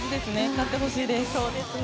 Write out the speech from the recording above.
勝ってほしいです。